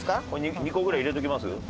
２個ぐらい入れときます？